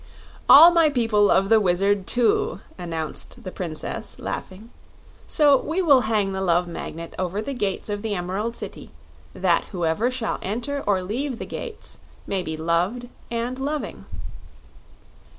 "All my people love the Wizard, too," announced the Princess, laughing; "so we will hang the Love Magnet over the gates of the Emerald City, that whoever shall enter or leave the gates may be loved and loving."